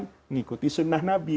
saya mengikuti sunnah nabi